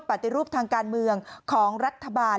ปฏิรูปทางการเมืองของรัฐบาล